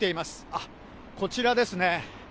あっ、こちらですね。